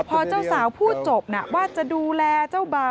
พอเจ้าสาวพูดจบว่าจะดูแลเจ้าบ่าว